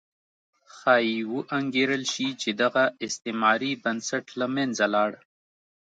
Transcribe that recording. ښایي وانګېرل شي چې دغه استعماري بنسټ له منځه لاړ.